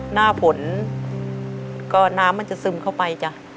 หน้าฝนก็น้ำมันจะซึมเข้าไปจ้ะ